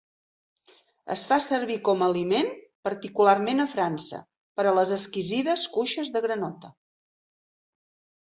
Es fa servir com a aliment, particularment a França, per a les exquisides cuixes de granota.